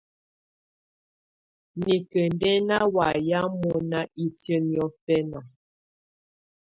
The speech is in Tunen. Nikǝ̀ nɛ̀ ná wamɛ̀á mɔ̀na itiǝ́ niɔ̀fɛ̀na.